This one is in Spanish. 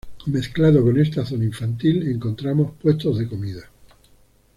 Mezclado con esta zona infantil encontramos puestos de comida.